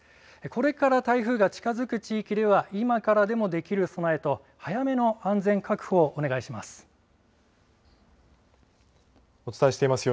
これから台風が近づく地域では、今からでもできる備えと、早めの安全確保をお願いします。